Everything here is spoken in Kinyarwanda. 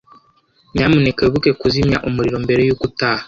Nyamuneka wibuke kuzimya umuriro mbere yuko utaha.